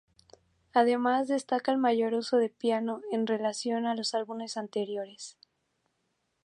Además destaca el mayor uso del piano en relación a los álbumes anteriores.